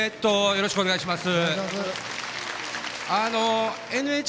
よろしくお願いします。